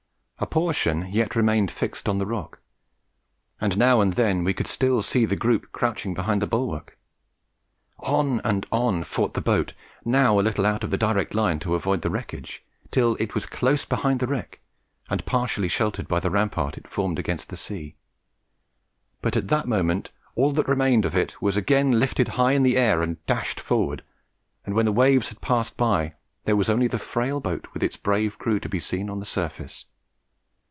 A portion yet remained fixed on the rock, and now and then we could still see the group crouching behind the bulwark. On and on fought the boat, now a little out of the direct line to avoid the wreckage, till it was close behind the wreck and partially sheltered by the rampart it formed against the sea; but at that moment all that remained of it was again lifted high in the air and dashed forward; and when the wave had passed by, there was only the frail boat with its brave crew to be seen on the surface.